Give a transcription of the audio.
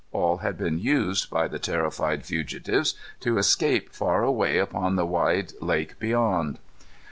All had been used, by the terrified fugitives, to escape far away upon the wide lake beyond.